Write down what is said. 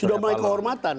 sudah memiliki kehormatan